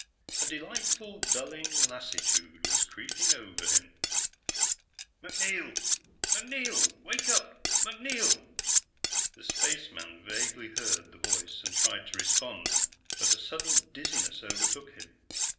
A delightful, dulling lassitude was creeping over him. "MacNeil! MacNeil! Wake up, MacNeil!" The spaceman vaguely heard the voice, and tried to respond, but a sudden dizziness overtook him.